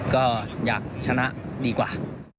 ก็อยากชนะดีกว่า